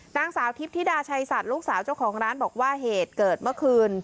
นางสาวทิพธิดาชัยสัตว์ลูกสาวเจ้าของร้านบอกว่าเหตุเกิดเมื่อคืน